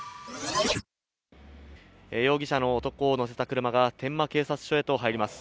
容疑者の男を乗せた車が天満警察署へと入ります。